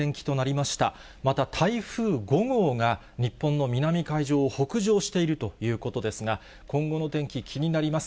また、台風５号が日本の南海上を北上しているということですが、今後の天気、気になります。